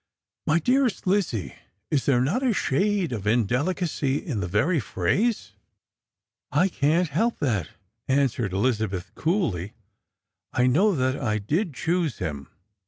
" My dearest Lizzie, is there not a shade of indelicacy in the very ph rase ?" "I can't help that," answered Elizabeth coolly; " I know that I did choose him.